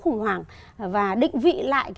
khủng hoảng và định vị lại